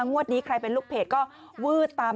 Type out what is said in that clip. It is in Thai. งวดนี้ใครเป็นลูกเพจก็วืดตามแม่น้ำหนึ่งเลย